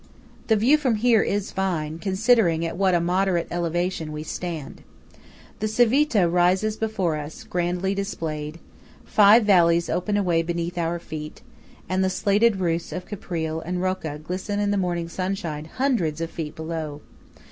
The view from here is fine, considering at what a moderate elevation we stand. The Civita rises before us, grandly displayed; five valleys open away beneath our feet; and the slated roofs of Caprile and Rocca glisten in the morning sunshine hundreds of feet below.